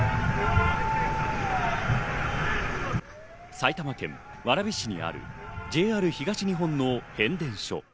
埼玉県蕨市にあるＪＲ東日本の変電所。